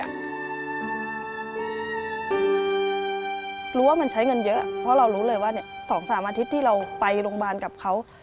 รู้ว่ามันใช้เงินเยอะเพราะเรารู้เลยว่า๒๓อาทิตย์ที่เราไปโรงพยาบาลกับเขา